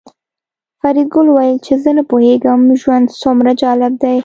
فریدګل وویل چې زه نه پوهېږم ژوند څومره جالب دی